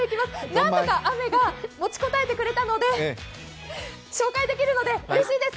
何とか雨がもちちこたえてくれたので紹介できるのでうれしいです。